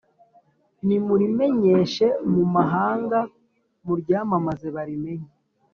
Nimurimenyeshe mu mahanga muryamamaze barimenye